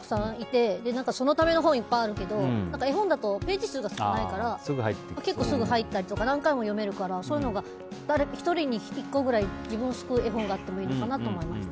悩んでる人とかたくさんいてそのための本いっぱいあるけど絵本だったらページ数が少ないから結構すぐ入ったりとか何回も読めるからそういうのが１人に１個くらい自分を救う絵本があってもいいのかなと思いました。